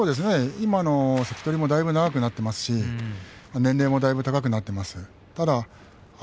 今の関取もだいぶ長くなっていますし年齢も高くなっています。